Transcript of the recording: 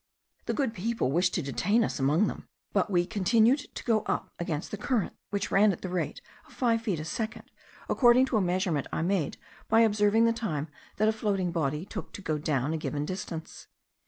The good people wished to detain us among them, but we continued to go up against the current, which ran at the rate of five feet a second, according to a measurement I made by observing the time that a floating body took to go down a given distance.